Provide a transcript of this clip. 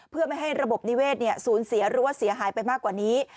เพื่อไม่ให้ระบบนิเวศสูญเสียหรือว่าเสียหายไปมากกว่านี้